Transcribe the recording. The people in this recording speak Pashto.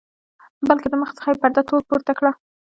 بلکې د مخ څخه یې پرده پورته کوي.